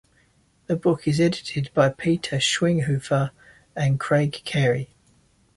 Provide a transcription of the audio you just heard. The book is edited by Peter Schweighofer and Craig Carey.